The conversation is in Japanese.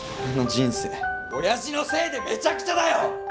俺の人生親父のせいでめちゃくちゃだよ！